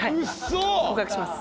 告白します。